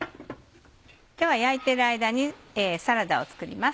では焼いてる間にサラダを作ります。